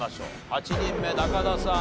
８人目中田さん